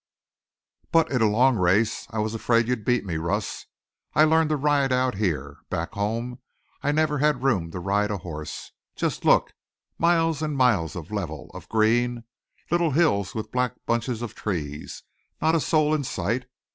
"But in a long race I was afraid you'd beat me. Russ, I've learned to ride out here. Back home I never had room to ride a horse. Just look. Miles and miles of level, of green. Little hills with black bunches of trees. Not a soul in sight.